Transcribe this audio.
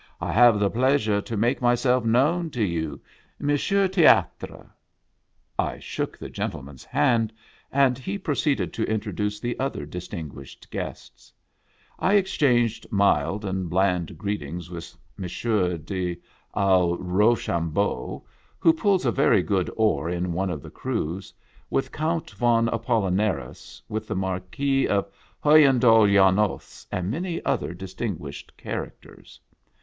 I have the pleasure to make myself known to you, — Monsieur Teatre." I shook the gentleman's hand, and he proceeded to introduce the other distinguished guests. I ex changed mild and bland greetings with Monsieur de al Row sham bow, who pulls a very good oar in pne of the crews, with Count Von Apollinaris, with the Marquis of Hunyadi Janos, and many other distin guished characters.